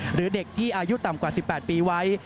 หรือเด็กที่อายุต่ำกว่า๑๘ปีไว้